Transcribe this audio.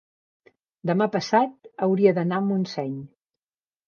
demà passat hauria d'anar a Montseny.